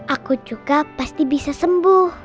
aku juga pasti bisa sembuh